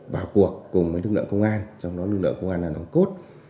vào cuộc cùng với lực lượng công an trong đó lực lượng công an là nồng cốt